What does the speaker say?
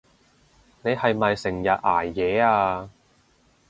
你係咪成日捱夜啊？